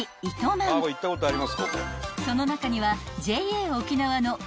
［その中には］